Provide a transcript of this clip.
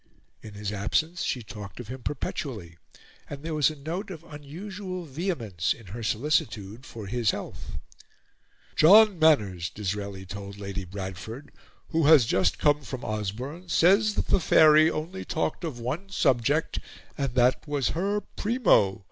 In his absence, she talked of him perpetually, and there was a note of unusual vehemence in her solicitude for his health. "John Manners," Disraeli told Lady Bradford, "who has just come from Osborne, says that the Faery only talked of one subject, and that was her Primo.